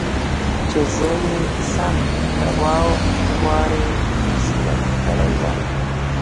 چې زه يې سم له وارې بېسده کړى وم.